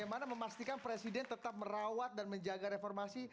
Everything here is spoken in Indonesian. bagaimana memastikan presiden tetap merawat dan menjaga reformasi